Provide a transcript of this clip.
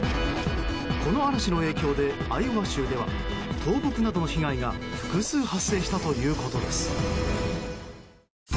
この嵐の影響でアイオワ州では倒木などの被害が複数発生したということです。